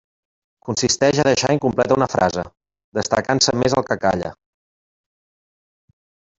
Consisteix a deixar incompleta una frase, destacant-se més el que calla.